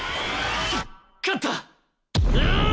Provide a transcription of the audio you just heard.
勝ったッ！